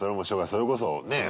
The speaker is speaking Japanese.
それこそねえ